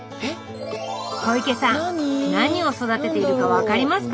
小池さん何を育てているか分かりますか？